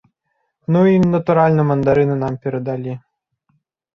Ну і, натуральна, мандарыны нам перадалі.